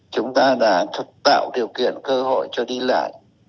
chúng ta đã tạo điều kiện cơ hội cho đi lại